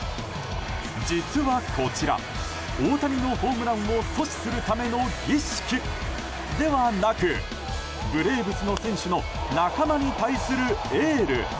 実はこちら、大谷のホームランを阻止するための儀式ではなくブレーブスの選手の仲間に対するエール。